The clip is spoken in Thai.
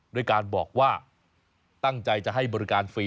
ด้วยการบอกว่าตั้งใจจะให้บริการฟรี